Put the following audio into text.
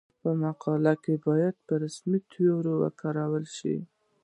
په مقاله کې باید رسمي توري وکارول شي.